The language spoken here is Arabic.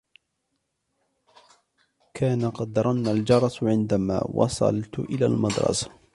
كان قد رن الجرس عندما وصلت إلى المدرسة.